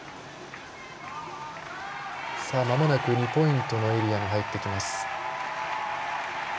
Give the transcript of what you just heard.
２ポイントのエリアに入ってきます。